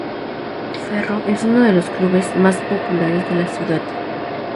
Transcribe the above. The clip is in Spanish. Ferro es uno de los clubes mas populares de la ciudad.